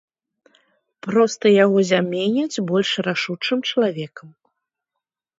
Проста яго заменяць больш рашучым чалавекам.